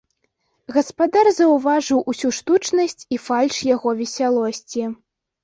Гаспадар заўважыў усю штучнасць і фальш яго весялосці.